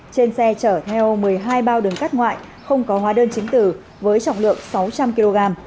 trên xe chở theo một mươi hai bao đường cát ngoại không có hóa đơn chứng tử với trọng lượng sáu trăm linh kg